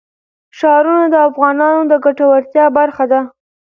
ښارونه د افغانانو د ګټورتیا برخه ده.